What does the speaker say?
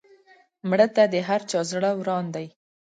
مړه ته د هر چا زړه وران دی